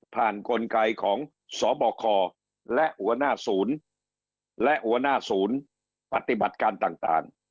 ผ่านคนไกลของสบคและอศและอศปฏิบัติการต่าง